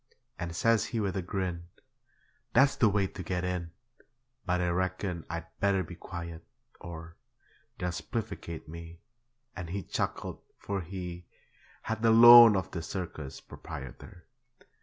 And says he with a grin, 'That's the way to get in; But I reckon I'd better be quiet or They'll spiflicate me,' And he chuckled, for he Had the loan of the circus proprietor.